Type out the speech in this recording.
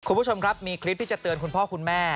คุณผู้ชมครับมีคลิปที่จะเตือนคุณพ่อคุณแม่